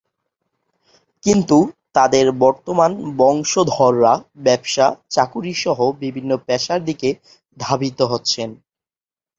কিন্তু তাদের বর্তমান বংশধররা ব্যবসা-চাকুরী সহ বিভিন্ন পেশার দিকে ধাবিত হচ্ছেন।